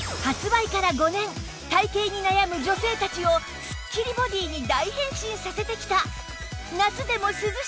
体形に悩む女性たちをスッキリボディーに大変身させてきた